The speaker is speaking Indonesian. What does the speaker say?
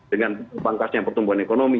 dengan terbangkasnya pertumbuhan ekonomi